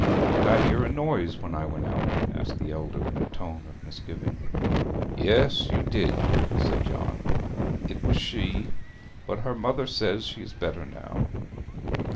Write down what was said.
'Did I hear a noise when I went out?' asked the elder, in a tone of misgiving. 'Yes, you did,' said John. 'It was she, but her mother says she is better now.